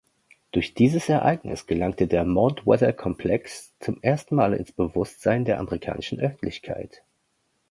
Durch dieses Ereignis gelangte der Mount-Weather-Komplex zum ersten Mal ins Bewusstsein der amerikanischen Öffentlichkeit.